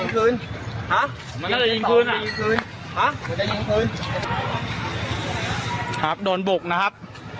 ครับโดนบุกนะครับ